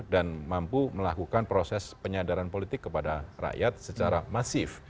dan mampu melakukan proses penyadaran politik kepada rakyat secara masif